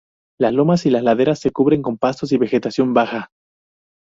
Las lomas y laderas se cubren con pastos y vegetación baja.